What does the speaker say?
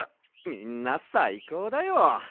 みんなさいこうだよ！